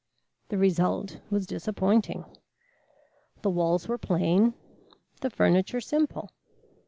The result was disappointing. The walls were plain, the furniture simple.